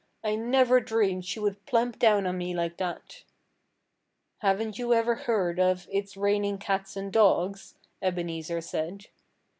"I never dreamed she would plump down on me like that." "Haven't you ever heard of it's raining cats and dogs?" Ebenezer said.